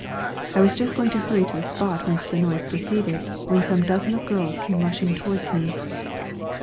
I was just going to hurry to the spot whence the noise proceeded, when some dozen of girls came rushing towards me.